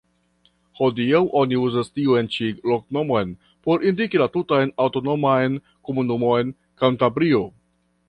Hodiaŭ oni uzas tiun ĉi loknomon por indiki la tutan aŭtonoman komunumon Kantabrio.